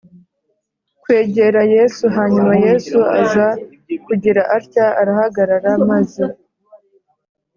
kwegera Yesu Hanyuma Yesu aza kugira atya arahagarara maze